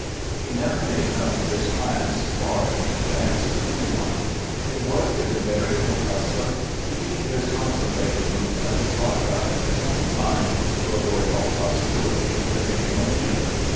He never made known his plans far in advance to any one. It was his invariable custom to keep his contem plated movements locked up in his own mind to avoid all possibility of their being mentioned.